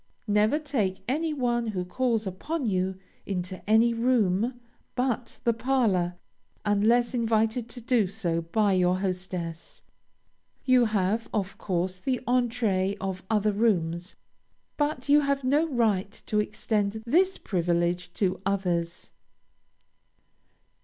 Never take any one who calls upon you into any room but the parlor, unless invited to do so by your hostess. You have, of course, the entrée of other rooms, but you have no right to extend this privilege to others.